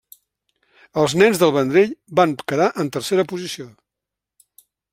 Els Nens del Vendrell van quedar en tercera posició.